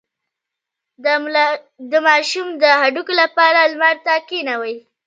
د ماشوم د هډوکو لپاره لمر ته کینوئ